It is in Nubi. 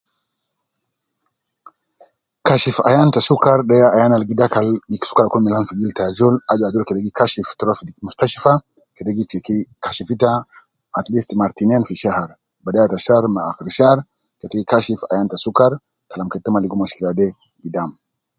Kashif Ayan ta sukar de ya Ayan Al gi dakal kutu sukar Kun Milan fi gildu ta ajol. ajol kede gi Kashif te gi ruwa fi mushtashfa kede kashifu uwo at least mar tinin fo shahar. Bidaya ta shahar ma akhira shahar keta Kashif Ayan ta sukar Kalam keta mma ligo mushkila de gidam.